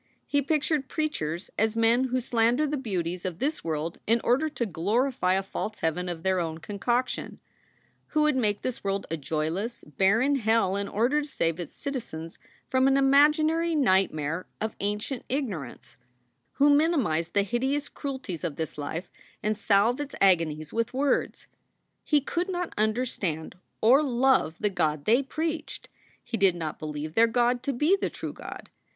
He pictured preachers as men who slander the beauties of this world in order to glorify a false heaven of their own concoc tion; who would make this world a joyless, barren hell in order to save its citizens from an imaginary nightmare of ancient ignorance ; who minimize the hideous cruelties of this life and salve its agonies with words. He could not understand or love the God they preached. He did not believe their God to be the true God.